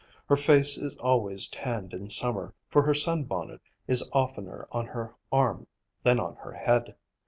Her face is always tanned in summer, for her sunbonnet is oftener on her arm than on her head.